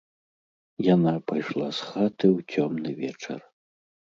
Яна пайшла з хаты ў цёмны вечар.